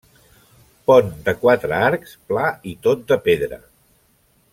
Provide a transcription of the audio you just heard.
Pont de quatre arcs, pla i tot de pedra.